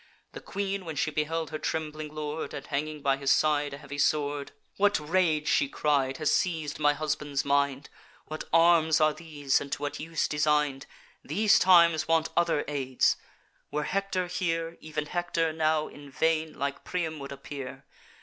The Queen, when she beheld her trembling lord, And hanging by his side a heavy sword, 'What rage,' she cried, 'has seiz'd my husband's mind? What arms are these, and to what use design'd? These times want other aids! Were Hector here, Ev'n Hector now in vain, like Priam, would appear.